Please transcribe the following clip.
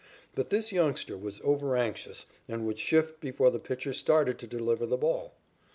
But this youngster was overanxious and would shift before the pitcher started to deliver the ball.